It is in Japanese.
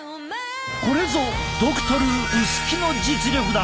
これぞドクトル薄木の実力だ。